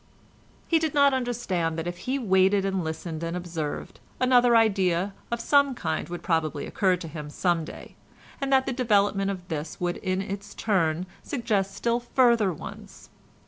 He did not understand that if he waited and listened and observed, another idea of some kind would probably occur to him some day, and that the development of this would in its turn suggest still further ones.